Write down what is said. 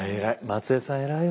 松枝さん偉いわ。